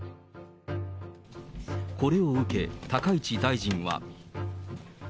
これを受け、高市大臣は。